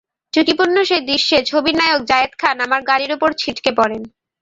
ঝুঁকিপূর্ণ সেই দৃশ্যে ছবির নায়ক জায়েদ খান আমার গাড়ির ওপরে ছিটকে পড়েন।